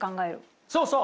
そうそう。